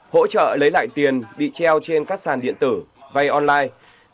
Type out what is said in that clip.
hỗ trợ lấy lại tiền bị treo trên các sàn điện tử vay online